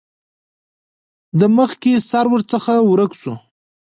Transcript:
د مخکې سر ورڅخه ورک شو.